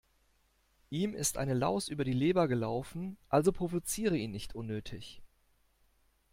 Ihm ist eine Laus über die Leber gelaufen, also provoziere ihn nicht unnötig.